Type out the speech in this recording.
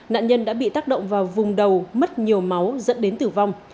nạn nhân đã bị tác động vào vùng đầu mất nhiều máu dẫn đến tử vong